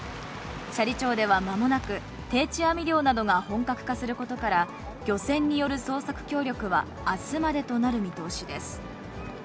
斜里町ではまもなく定置網漁などが本格化することなどから、漁船による捜索協力はあすまでとなる見通しです。